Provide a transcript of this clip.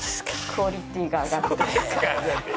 クオリティーが上がって。